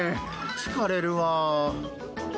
疲れるわ。